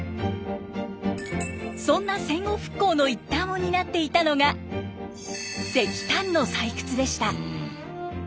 そんな戦後復興の一端を担っていたのが石炭の採掘でした。